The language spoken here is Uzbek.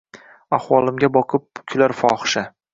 Ahvolimga boqib, kular fohisha…”